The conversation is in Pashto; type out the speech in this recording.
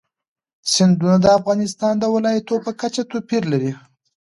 سیندونه د افغانستان د ولایاتو په کچه توپیر لري.